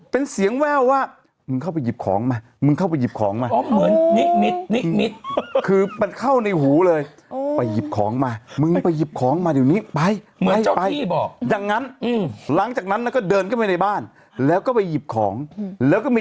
เป็นเสียงแววว่ามึงเข้าไปหยิบของมามึงเข้าไปหยิบของมา